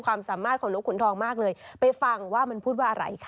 ความสามารถของนกขุนทองมากเลยไปฟังว่ามันพูดว่าอะไรค่ะ